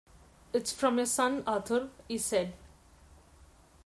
“It’s from your son, Arthur,” he said.